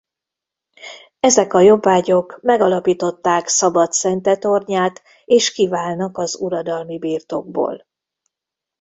Ezek a jobbágyok megalapították Szabad-Szentetornyát és kiválnak az uradalmi birtokból.